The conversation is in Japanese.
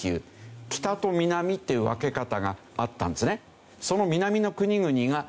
北と南っていう分け方があったんですね。